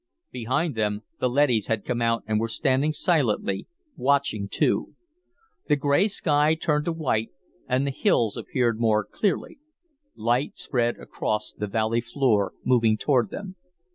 Behind them, the leadys had come out and were standing silently, watching, too. The gray sky turned to white and the hills appeared more clearly. Light spread across the valley floor, moving toward them.